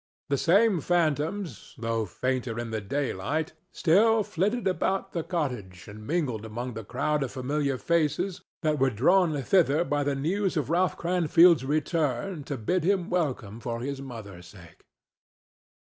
The same phantoms, though fainter in the daylight, still flitted about the cottage and mingled among the crowd of familiar faces that were drawn thither by the news of Ralph Cranfield's return to bid him welcome for his mother's sake.